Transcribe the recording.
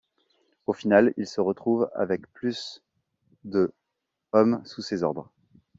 Au final, il se retrouve avec plus de hommes sous ses ordres.